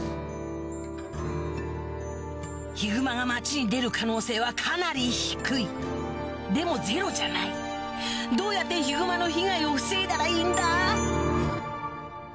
ヒグマが街に出る可能性はかなり低いでもゼロじゃないどうやってヒグマの被害を防いだらいいんだ？